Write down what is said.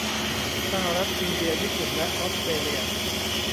สหรัฐ อินเดีย ญี่ปุ่น และออสเตรเลีย